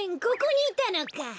ここにいたのか。